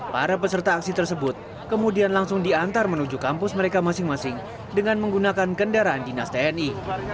para peserta aksi tersebut kemudian langsung diantar menuju kampus mereka masing masing dengan menggunakan kendaraan dinas tni